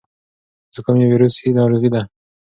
زکام یو ویروسي ناروغي ده.